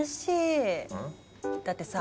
だってさ